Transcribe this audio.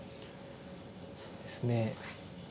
そうですね。